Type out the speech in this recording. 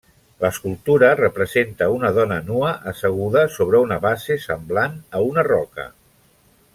L'escultura representa una dona nua asseguda sobre una base semblant a una roca.